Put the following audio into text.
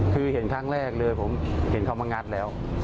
คือเห็นครั้งแรกเลยผมเห็นเขามางัดแล้ว